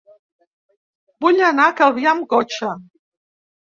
Vull anar a Calvià amb cotxe.